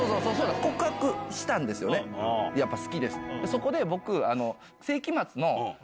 そこで僕。